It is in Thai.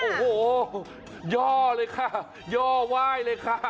โอ้โหย่อเลยค่ะย่อไหว้เลยค่ะ